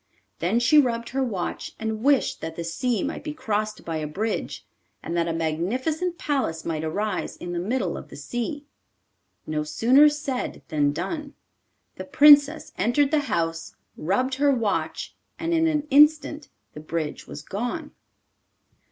Then she rubbed her watch, and wished that the sea might be crossed by a bridge, and that a magnificent palace might arise in the middle of the sea. No sooner said than done. The Princess entered the house, rubbed her watch, and in an instant the bridge was gone.